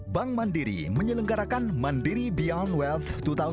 bank mandiri menyelenggarakan mandiri beyond wealth dua ribu sembilan belas